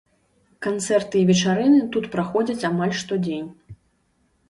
Канцэрты і вечарыны тут праходзяць амаль штодзень.